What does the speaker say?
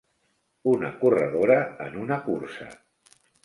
Una corredora en una cursa